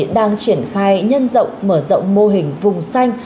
đang triển khai nhân rộng mở rộng mô hình vùng xanh